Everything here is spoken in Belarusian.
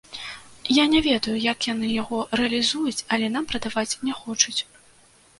Я не ведаю, як яны яго рэалізуюць, але нам прадаваць не хочуць.